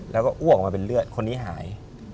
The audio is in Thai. แล้วก็อ้วกออกมาเป็นเลือดคนนี้หาย